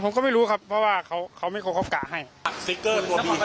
ผมก็ไม่รู้ครับเพราะว่าเขาไม่โคลดโอกาสให้